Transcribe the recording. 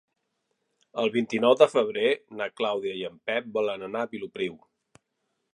El vint-i-nou de febrer na Clàudia i en Pep volen anar a Vilopriu.